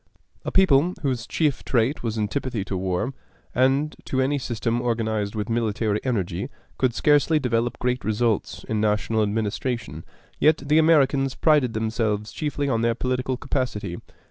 A people whose chief trait was antipathy to war, and to any system organized with military energy, could scarcely develop great results in national administration; yet the Americans prided themselves chiefly on their political capacity.